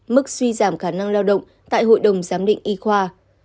mức suy giảm khả năng lao động tại hội đồng giám định y khoa